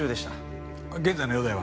現在の容体は？